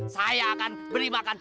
saya akan beri makan